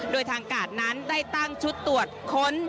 โดยทางการณั้นตั้งฝ่ายการชุดตรวจคน